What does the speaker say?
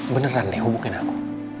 beneran deh hubungin aku